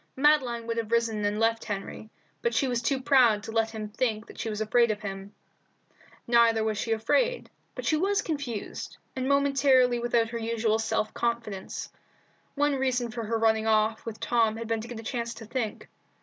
Madeline would have risen and left Henry, but she was too proud to let him think that she was afraid of him.. Neither was she afraid, but she was confused, and momentarily without her usual self confidence. One reason for her running off with Tom had been to get a chance to think.